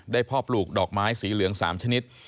ได้เพราะปลูกดอกไม้สีเหลือง๓ชนิด